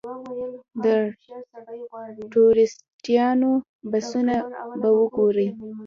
د ټوریسټانو بسونه به وګورئ.